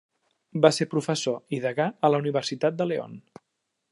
Va ser professor i degà a la Universitat de León.